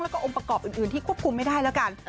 แล้วก็องค์ประกอบอื่นที่ควบคุมไม่ได้แล้วกัน